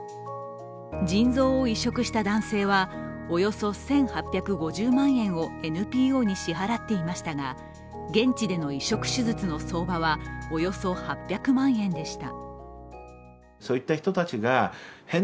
腎臓を移植した男性は、およそ１８５０万円をＮＰＯに支払っていましたが現地での移植手術の相場はおよそ８００万円でした。